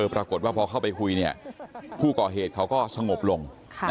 ปรากฏว่าพอเข้าไปคุยเนี่ยผู้ก่อเหตุเขาก็สงบลง